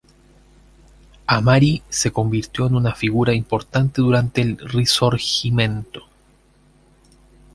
Amari se convirtió en una figura importante durante el Risorgimento.